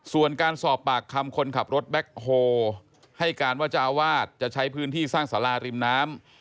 ส่วนการสอบปากคำคนขับรถแบ็คโฮให้การว่าเจ้าอาวาสจะใช้พื้นที่สร้างสาราริมน้ำ